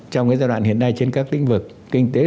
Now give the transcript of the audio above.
trong cái giai đoạn hiện nay trên các tinh vực kinh tế